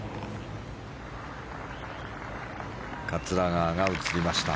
桂川が映りました。